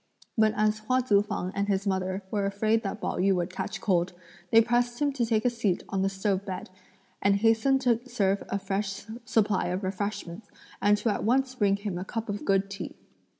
But as both Hua Tzu fang and his mother were afraid that Pao yü would catch cold, they pressed him to take a seat on the stove bed, and hastened to serve a fresh supply of refreshments, and to at once bring him a cup of good tea.